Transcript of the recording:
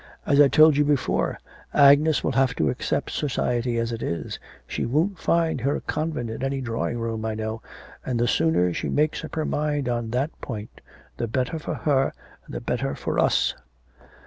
As I told you before, Agnes will have to accept society as it is. She won't find her convent in any drawing room I know, and the sooner she makes up her mind on that point, the better for her and the better for us.'